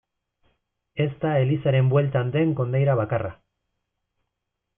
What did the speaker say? Ez da elizaren bueltan den kondaira bakarra.